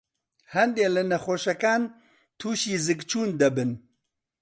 هەندێ لە نەخۆشەکان تووشى زگچوون دەبن.